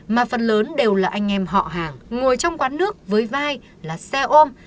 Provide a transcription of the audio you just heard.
mà phần lớn đều là anh em họ hàng ngồi trong quán nước với vai là xe ôm